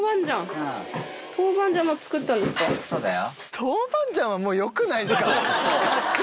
そうだよ。